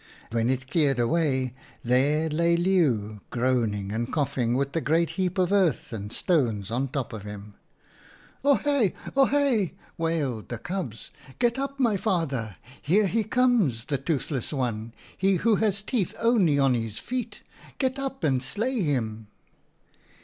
" When it cleared away, there lay Leeuw, groaning and coughing, with the great heap of earth and stones on top of him. "« Ohe ! ohe !' wailed the cubs, ' get up, my father. Here he comes, the Toothless One! He who has teeth only on his feet! Get up and slay him.'